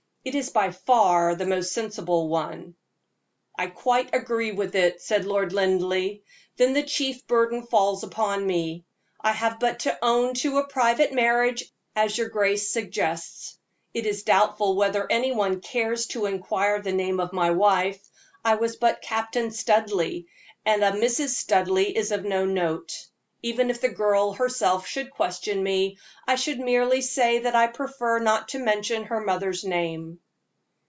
It is by far the most sensible one." "I quite agree with it," said Lord Linleigh. "Then the chief burden falls upon me I have but to own to a private marriage, as your grace suggests. It is doubtful whether any one cares to inquire the name of my wife. I was but Captain Studleigh, and a Mrs. Studleigh is of no note. Even if the girl herself should question me, I should merely say that I prefer not to mention her mother's name."